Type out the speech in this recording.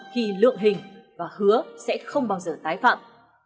khi lượng hình và hứa sẽ không bao giờ tái phạm